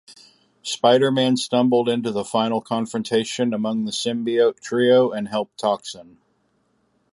Spider-Man stumbled into the final confrontation among the symbiote trio, and helped Toxin.